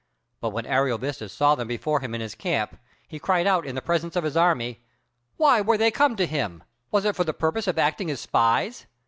But when Ariovistus saw them before him in his camp, he cried out in the presence of his army, "Why were they come to him? was it for the purpose of acting as spies?"